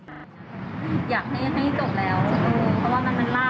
อยากให้จบแล้วเพราะว่ามันลากมานาน